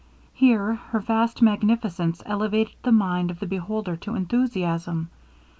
Here her vast magnificence elevated the mind of the beholder to enthusiasm.